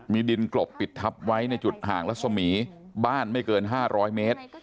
มีดินกลบปิดทับไว้ในจุดห่างรัศมีบ้านไม่เกิน๕๐๐เมตร